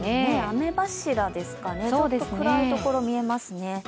雨柱ですかね、ちょっと暗いところ、見えますね。